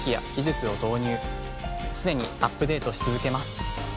常にアップデートし続けます。